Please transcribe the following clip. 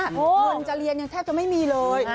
เงินจะเรียนยังแทบจะไม่มีเลย